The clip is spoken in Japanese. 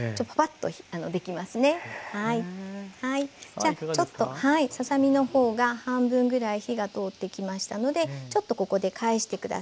じゃあちょっとささ身のほうが半分ぐらい火が通ってきましたのでちょっとここで返して下さい。